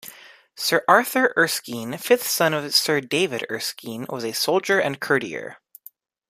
Sir Arthur Erskine, fifth son of Sir David Erskine, was a soldier and courtier.